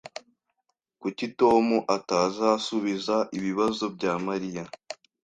Kuki Tom atazasubiza ibibazo bya Mariya?